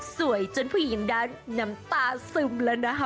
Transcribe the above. สวยจนผู้หญิงดันน้ำตาซึมแล้วนะพอ